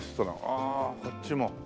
ああこっちも。